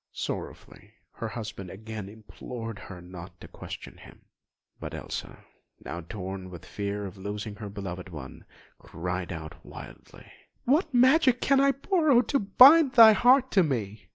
Sorrowfully her husband again implored her not to question him; but Elsa, now torn with the fear of losing her beloved one, cried out wildly: "What magic can I borrow To bind thy heart to me?